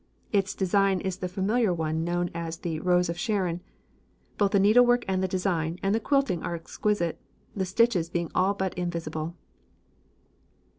Its design is the familiar one known as the "Rose of Sharon"; both the needlework on the design and the quilting are exquisite, the stitches being all but invisible.